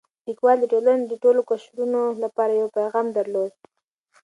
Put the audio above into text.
لیکوال د ټولنې د ټولو قشرونو لپاره یو پیغام درلود.